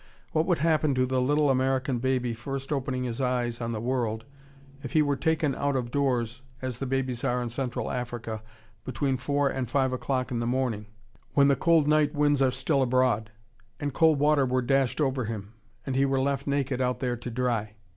What would happen to the little American baby first opening his eyes on the world, if he were taken out of doors as the babies are in Central Africa between four and five o'clock in the morning, when the cold night winds are still abroad, and cold water were dashed over him, and he were left naked out there to dry?